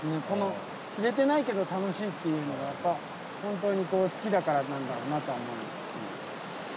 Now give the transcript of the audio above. この釣れてないけど楽しいっていうのがやっぱ本当に好きだからなんだろうなとは思うし